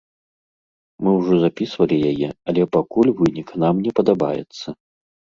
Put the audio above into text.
Мы ўжо запісвалі яе, але пакуль вынік нам не падабаецца.